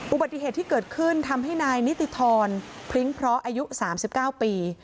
อุบัติเหตุที่เกิดขึ้นทำให้นายนิติธรพริ้งเพราะอายุ๓๙ปี